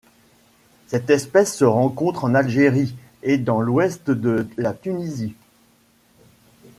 Cette espèce se rencontre en Algérie et dans l'ouest de la Tunisie.